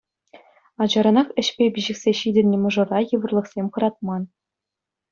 Ачаранах ӗҫпе пиҫӗхсе ҫитӗннӗ мӑшӑра йывӑрлӑхсем хӑратман.